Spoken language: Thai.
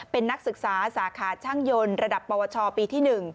เป็นนักศึกษาสาขาช่างยนต์ระดับปวชปีที่๑